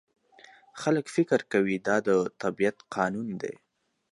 خلک فکر کوي دا د طبیعت قانون دی.